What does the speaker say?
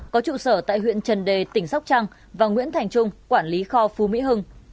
có trụ sở tại huyện trần đề tỉnh sóc trăng và nguyễn thành trung quản lý kho phú mỹ hưng